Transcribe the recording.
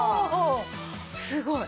すごい！